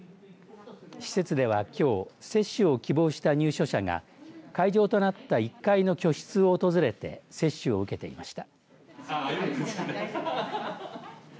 施設ではきょう接種を希望した入所者が会場となった１階の居室を訪れて接種を受けていました。